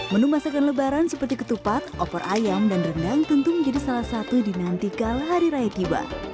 menu masakan lebaran seperti ketupat opor ayam dan rendang tentu menjadi salah satu dinantikal hari raya tiba